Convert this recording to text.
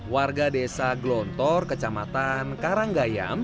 warga desa glontor kecamatan karanggayam